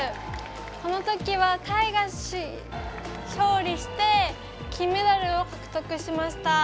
このときはタイが勝利して金メダルを獲得しました。